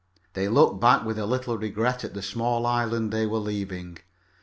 They looked back with a little regret at the small island they were leaving.